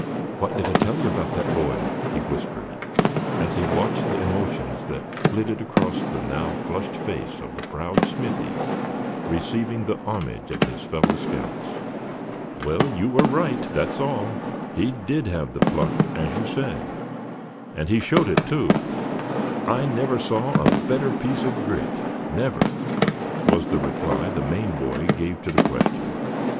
"What did I tell you about that boy?" he whispered, as he watched the emotions that flitted across the now flushed face of the proud Smithy, receiving the homage of his fellow scouts. "Well, you were right, that's all; he did have the pluck as you said, and he showed it too. I never saw a better piece of grit, never," was the reply the Maine boy gave to the question.